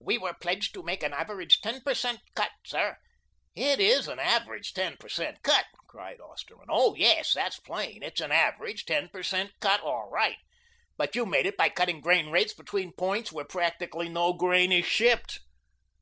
"We were pledged to make an average ten per cent. cut, sir " "It IS an average ten per cent. cut," cried Osterman. "Oh, yes, that's plain. It's an average ten per cent. cut all right, but you've made it by cutting grain rates between points where practically no grain is shipped.